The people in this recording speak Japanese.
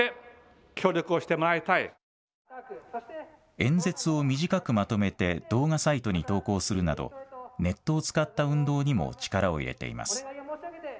演説を短くまとめて動画サイトに投稿するなど、ネットを使った運動にも力を入れています。